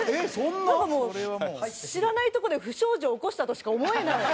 なんかもう知らないとこで不祥事起こしたとしか思えない。